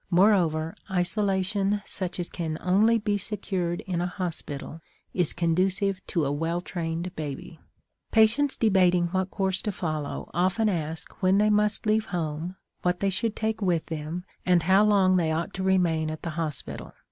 Moreover, isolation such as can only be secured in a hospital is conducive to a well trained baby. Patients debating what course to follow often ask when they must leave home, what they should take with them, and how long they ought to remain at the hospital.